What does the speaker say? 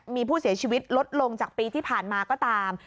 มีผู้เสียชีวิตลดลงจากปีที่ผ่านมาก็ตาม